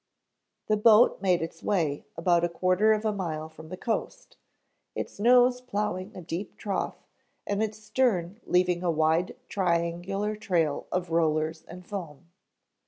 The boat made its way about a quarter of a mile from the coast, its nose plowing a deep trough and its stern leaving a wide triangular trail of rollers and foam.